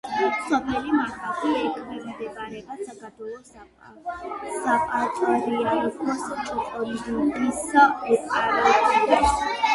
სოფელი მახათი ექვემდებარება საქართველოს საპატრიარქოს ჭყონდიდის ეპარქიას.